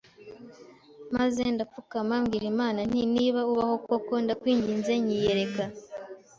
maze ndapfukama mbwira Imana nti niba ubaho koko ndakwinginze nyiyereka